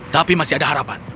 tapi masih ada harapan